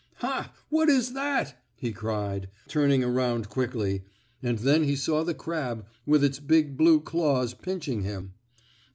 "Ha! What is that?" he cried, turning around quickly, and then he saw the crab, with its big blue claws pinching him.